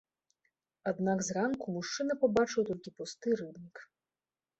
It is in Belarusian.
Аднак зранку мужчына пабачыў толькі пусты рыбнік.